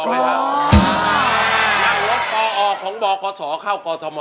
นั่งรถก่อออกของบคศเข้ากฎม